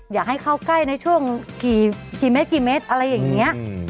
อยากให้เข้าใกล้ในช่วงกี่เม็ดอะไรอย่างเงี้ย